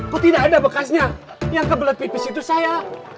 kok tidak ada bekasnya yang kebelet tipis itu saya